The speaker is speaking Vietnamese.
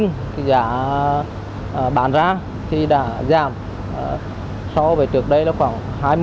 người chăn nuôi đã bán ra thì đã giảm so với trước đây là khoảng hai mươi tám mươi